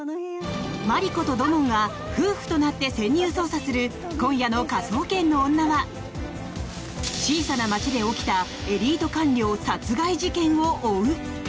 マリコと土門が夫婦となって潜入捜査する今夜の「科捜研の女」は小さな町で起きたエリート官僚殺害事件を追う。